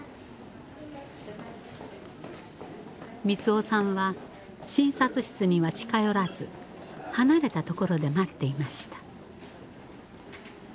三男さんは診察室には近寄らず離れた所で待っていました。